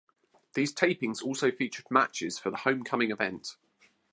These tapings also featured matches for the Homecoming event.